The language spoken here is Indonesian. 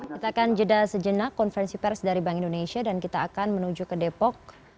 kita akan jeda sejenak konferensi pers dari bank indonesia dan kita akan menuju ke depok